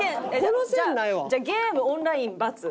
じゃあゲームオンラインバツ？